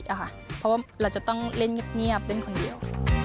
เพราะว่าเราจะต้องเล่นเงียบเล่นคนเดียว